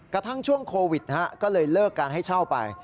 กระทั่งช่วงโควิดก็เลยเลิกการให้เช่าไป